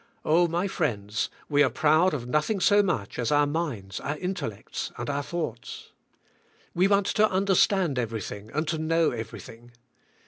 Oh, my friends, we are proud of nothing so much as our minds, our intellects, and our thoughts. We want to understand everything, and to know everything.